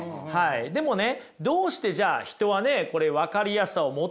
でもねどうしてじゃあ人はねこれ分かりやすさを求めてしまうのか？